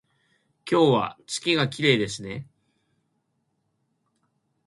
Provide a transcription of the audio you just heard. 今夜は月がきれいですね